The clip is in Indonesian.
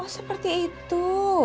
oh seperti itu